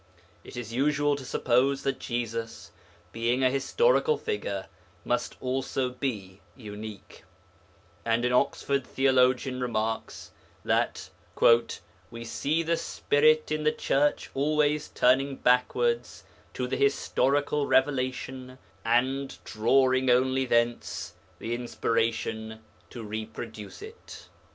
It is usual to suppose that Jesus, being a historical figure, must also be unique, and an Oxford theologian remarks that 'we see the Spirit in the Church always turning backwards to the historical revelation and drawing only thence the inspiration to reproduce it.'